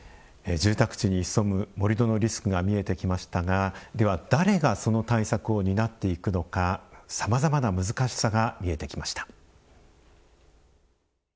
住宅地に潜む盛土のリスクが見えてきましたがでは、誰がその対策を担っていくのかさまざまな難しさが見えてきました。